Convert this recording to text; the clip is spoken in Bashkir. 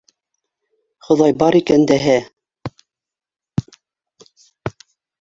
Хоҙай бар икән дәһә!